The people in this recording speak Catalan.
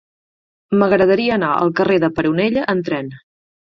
M'agradaria anar al carrer de Peronella amb tren.